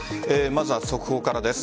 まずは速報からです。